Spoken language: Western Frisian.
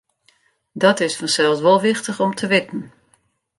Dat is fansels wol wichtich om te witten.